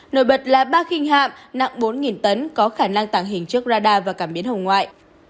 nổi bật là ba khinh hạm nặng bốn tấn có khả năng tảng hình trước radar và cảm biến hồng ngoại